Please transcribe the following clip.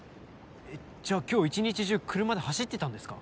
えっじゃあ今日一日中車で走ってたんですか？